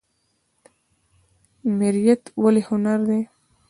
میریت ولې هنر دی؟